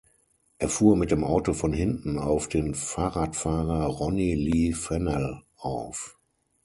Er fuhr mit dem Auto von hinten auf den Fahrradfahrer Ronny Lee Fennell auf.